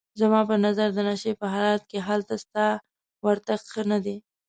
زما په نظر د نشې په حالت کې هلته ستا ورتګ ښه نه دی.